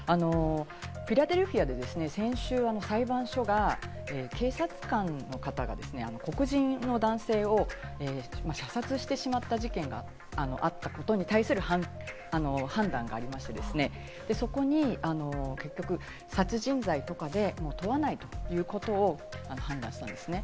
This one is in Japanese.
フィラデルフィアで先週、警察官の方が黒人の男性を射殺してしまった事件があったことに対する判断があり、そこに殺人罪とかで、問わないということを判断したんですね。